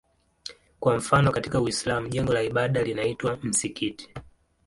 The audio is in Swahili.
Kwa mfano katika Uislamu jengo la ibada linaitwa msikiti.